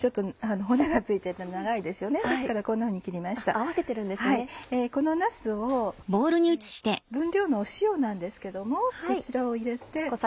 はいこのなすを分量の塩なんですけどもこちらを入れて。